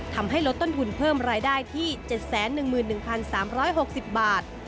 ทำให้ลดต้นทุนเพิ่มรายได้ที่๗๑๑๓๖๐บาท